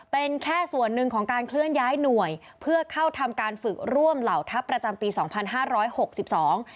เป็นแค่ส่วนหนึ่งของการเคลื่อนย้ายหน่วยเพื่อเข้าทำการฝึกร่วมเหล่าทัพประจำปีสองพันห้าร้อยหกสิบสอง